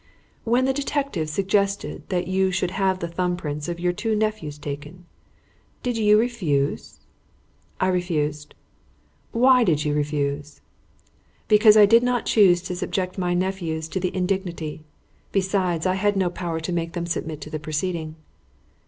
"When the detective suggested that you should have the thumb prints of your two nephews taken, did you refuse?" "I refused." "Why did you refuse?" "Because I did not choose to subject my nephews to the indignity. Besides, I had no power to make them submit to the proceeding."